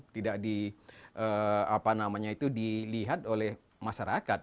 tidak di apa namanya itu dilihat oleh masyarakat